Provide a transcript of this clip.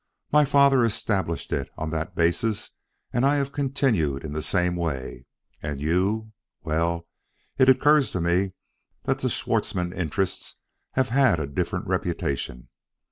My father established it on that basis and I have continued in the same way. And you? well, it occurs to me that the Schwartzmann interests have had a different reputation.